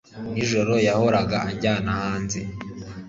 nijoro yahoraga anjyana hanze